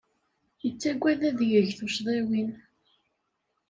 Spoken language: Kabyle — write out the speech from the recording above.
Yettagad ad yeg tuccḍiwin.